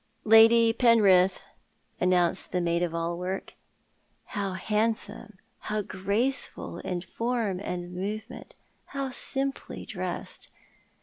" Lady Penrith," announced the maid of all work. How handsome, how graceful in form and movement; how simply dressed.